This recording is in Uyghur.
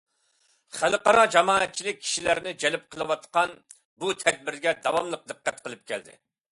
خەلقئارا جامائەتچىلىك كىشىلەرنى جەلپ قىلىۋاتقان بۇ تەدبىرلەرگە داۋاملىق دىققەت قىلىپ كەلدى.